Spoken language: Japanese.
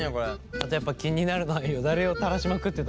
あとやっぱ気になるのはよだれをたらしまくってた。